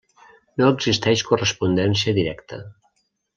No existeix correspondència directa.